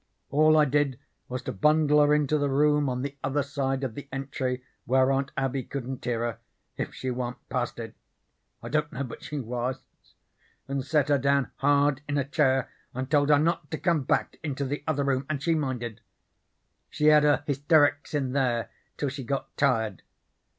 All I did was to bundle her into the room on the other side of the entry where Aunt Abby couldn't hear her, if she wa'n't past it I don't know but she was and set her down hard in a chair and told her not to come back into the other room, and she minded. She had her hysterics in there till she got tired.